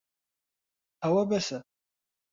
ئەوە بەسە.